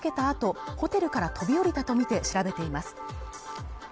あとホテルから飛び降りたとみて調べています